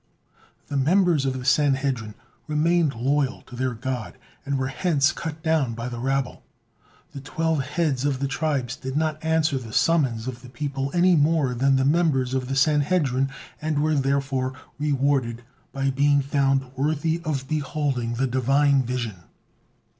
The members of the Sanhedrin remained loyal to their God, and were hence cut down by the rabble. The twelve heads of the tribes did not answer the summons of the people any more than the members of the Sanhedrin, and were therefore rewarded by being found worthy of beholding the Divine vision.